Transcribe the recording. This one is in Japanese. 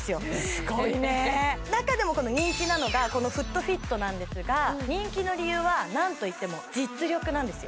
すごいね中でも人気なのがこのＦｏｏｔＦｉｔなんですが人気の理由は何といっても実力なんですよ